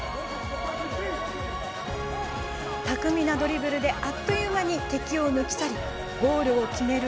巧みなドリブルであっという間に敵を抜き去りゴールを決める